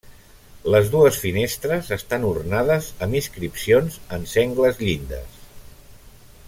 Les dues finestres estan ornades amb inscripcions en sengles llindes.